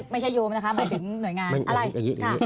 ไม่ใช่โยมนะคะหมายถึงหน่วยงาน